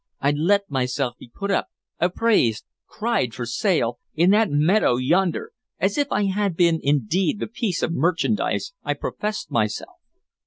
I let myself be put up, appraised, cried for sale, in that meadow yonder, as if I had been indeed the piece of merchandise I professed myself.